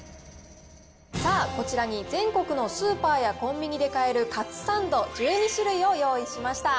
さあ、こちらに全国のスーパーやコンビニで買えるカツサンド１２種類を用意しました。